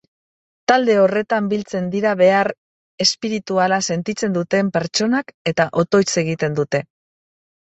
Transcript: Talde horretan biltzen dira behar espirituala sentitzen duten pertsonak eta otoitz egiten dute.